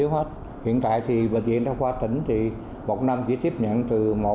hiện tại bệnh viện đao khoa tỉnh một năm chỉ tiếp nhận từ một